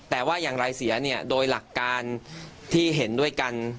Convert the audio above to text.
แต่ว่าอย่างไรเสียเนี่ยโดยหลักการที่เห็นด้วยกัน